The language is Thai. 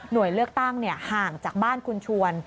โดยเลือกตั้งห่างจากบ้านคุณชวน